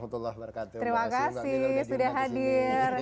terima kasih sudah hadir